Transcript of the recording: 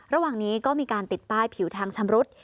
ระหว่างนี้ก็มีการติดป้ายผิวทางชำรุด